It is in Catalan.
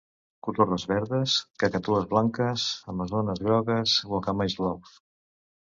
Cotorres verdes, cacatues blanques, amazones grogues, guacamais blaus...